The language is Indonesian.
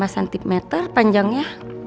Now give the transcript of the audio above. lima cm panjangnya